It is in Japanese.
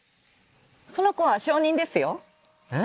その子は小人ですよ。え？